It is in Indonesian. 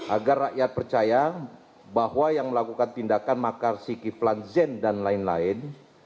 agar rakyat percaya bahwa yang melakukan tindakan makar sikiflan zen dan lain lain